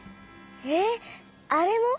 えっあれも？